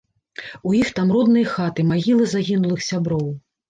У іх там родныя хаты, магілы загінулых сяброў.